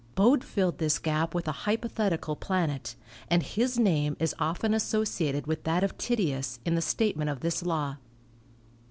Bode filled this gap with a hypothetical planet, and his name is often associated with that of Titius in the statement of this law.